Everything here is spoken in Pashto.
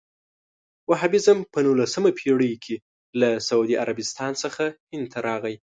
وهابیزم په نولسمه پېړۍ کې له سعودي عربستان څخه هند ته راغی.